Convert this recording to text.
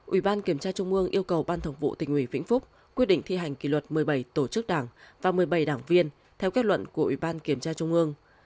ủy ban kiểm tra trung ương yêu cầu ban thường vụ tỉnh ủy vĩnh phúc quyết định thi hành kỷ luật một mươi bảy tổ chức đảng và một mươi bảy đảng viên theo kết luận của ủy ban kiểm tra trung ương